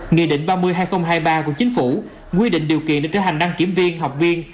nghị định ba mươi hai nghìn hai mươi ba của chính phủ quy định điều kiện để trở thành đăng kiểm viên học viên